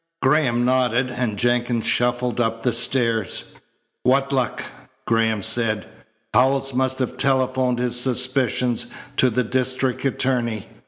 Graham nodded, and Jenkins shuffled up the stairs. "What luck!" Graham said. "Howells must have telephoned his suspicions to the district attorney.